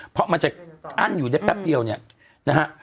เพราะมันจะอั้นอยู่ได้แป๊บเดียวเนี่ยนะฮะ